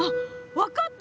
分かった！